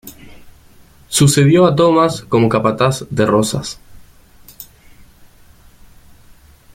Sucedió a Thomas como capataz de rosas.